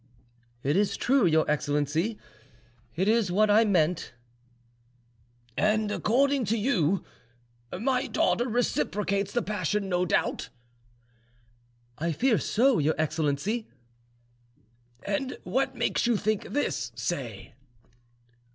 "It is true, your excellency; it is what I meant." "And, according to you, my daughter reciprocates the passion, no doubt?" "I fear so, your excellency." "And what makes you think this, say?"